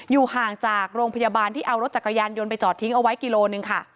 อยู่ห่างจากโรงพยาบาลที่เอารถจักรยานยนต์ไปจอดทิ้งเอาไว้กิโลหนึ่งค่ะ